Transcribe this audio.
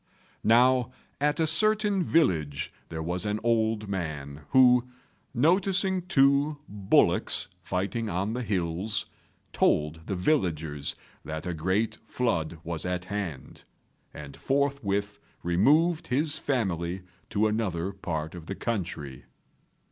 Now at a certain village there was an old man, who, noticing two bullocks fighting on the hills, told the villagers that a great flood was at hand, and forthwith removed with his family to another part of the country.